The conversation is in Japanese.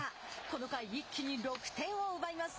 この回一気に６点を奪います。